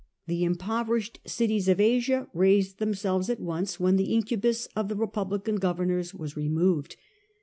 The impoverished cities of Asia raised themselves at once when the incubus of the republican governors was removed.